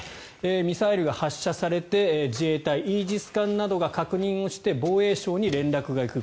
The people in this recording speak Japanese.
ミサイルが発射されて自衛隊、イージス艦などが確認をして防衛省に連絡が行く。